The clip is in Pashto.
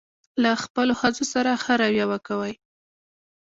له خپلو ښځو سره ښه راویه وکوئ.